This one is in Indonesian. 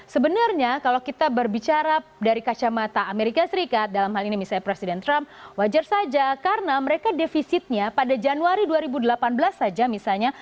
sebenarnya kalau kita berbicara dari kacamata amerika serikat dalam hal ini misalnya presiden trump wajar saja karena mereka defisitnya pada januari dua ribu delapan belas saja misalnya